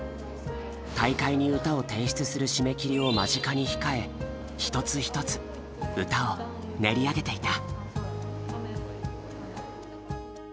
大会に歌を提出する締め切りを間近に控え一つ一つ歌を練り上げていた。